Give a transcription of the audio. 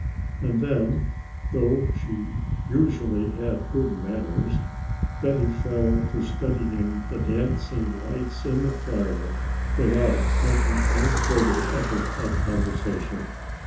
And then, though she usually had good manners, Betty fell to studying the dancing lights in the fire without making any further effort at conversation.